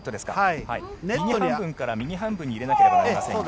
右半分から右半分に入れなければなりませんが。